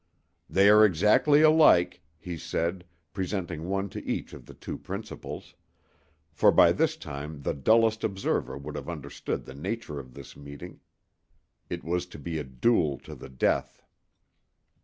"They are exactly alike," he said, presenting one to each of the two principals—for by this time the dullest observer would have understood the nature of this meeting. It was to be a duel to the death.